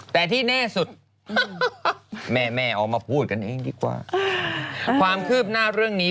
แต่ที่แน่สุดแม่แม่ออกมาพูดกันเองดีกว่าความคืบหน้าเรื่องนี้